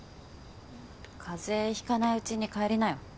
風邪ひかないうちに帰りなよ。